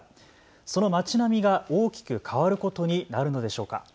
その街並みが大きく変わることになるのでしょうか。